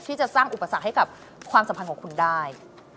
ที่จะสร้างอุปสรรคให้กับความสัมพันธ์ของคุณได้